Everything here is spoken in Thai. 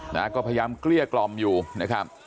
นะฮะก็พยายามเกลี้ยกล่อมอยู่นะครับ